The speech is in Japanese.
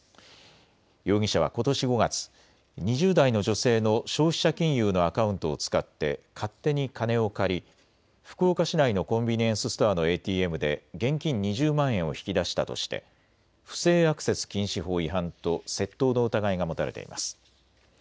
容疑者はことし５月、２０代の女性の消費者金融のアカウントを使って勝手に金を借り、福岡市内のコンビニエンスストアのＡＴＭで現金２０万円を引き出したとして不正アクセス禁止法違反と窃盗の疑いが持たれています。